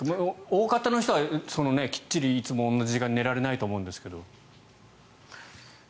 大方の人はきっちりいつも同じ時間に寝られないと思うんですが。